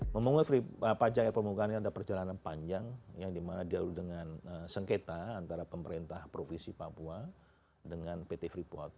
pembangunan air permukaan ini adalah perjalanan panjang yang diadu dengan sengketa antara pemerintah provinsi papua dengan pt freeport